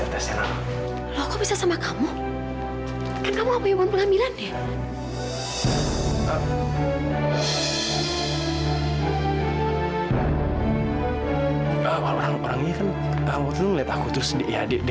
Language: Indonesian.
tapi jangan kamu pikir